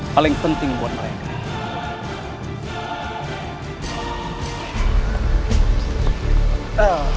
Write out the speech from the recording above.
paling penting buat mereka